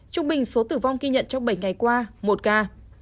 trung bình số tử vong ghi nhận trong bảy ngày qua một ca